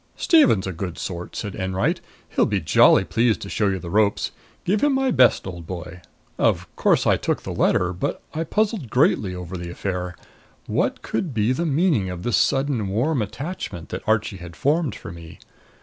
"Stephen's a good sort," said Enwright. "He'll be jolly pleased to show you the ropes. Give him my best, old boy!" Of course I took the letter. But I puzzled greatly over the affair. What could be the meaning of this sudden warm attachment that Archie had formed for me?